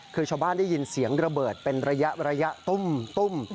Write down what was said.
คือชาวบ้านได้ยินเสียงระเบิดเป็นระยะตุ้ม